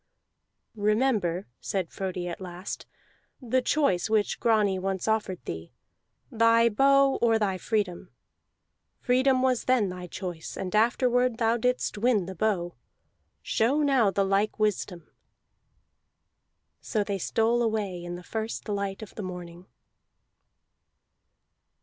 "Remember," said Frodi at last, "the choice which Grani once offered thee: the bow or thy freedom. Freedom was then thy choice, and afterward thou didst win the bow. Show now the like wisdom." So they stole away in the first light of the morning.